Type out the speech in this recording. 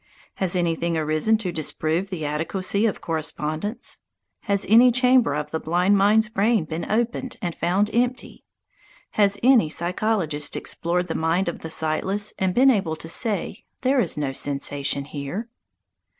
Has anything arisen to disprove the adequacy of correspondence? Has any chamber of the blind man's brain been opened and found empty? Has any psychologist explored the mind of the sightless and been able to say, "There is no sensation here"?